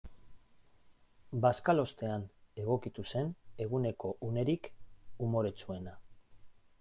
Bazkalostean egokitu zen eguneko unerik umoretsuena.